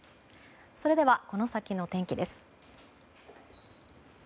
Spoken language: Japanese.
それでは、この先の天気です。